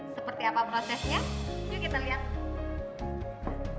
seperti apa prosesnya yuk kita lihat